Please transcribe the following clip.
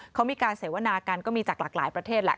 เขามีการเสวนากันก็มีจากหลากหลายประเทศแหละ